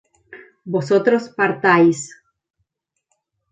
vosotros partáis